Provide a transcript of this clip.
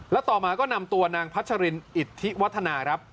แล้วต่อมาก็นำตัวนางพัชรินอิทธิวัฒนาครับ